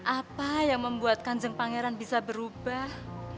apa yang membuatkan jeng pangeran bisa berubah